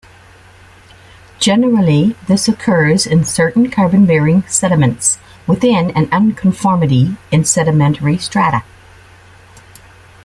Generally this occurs in certain carbon-bearing sediments, within an unconformity in sedimentary strata.